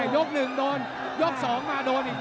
ยกหนึ่งโดนยกสองมาโดนอีก